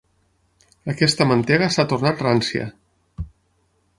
Aquesta mantega s'ha tornat rància.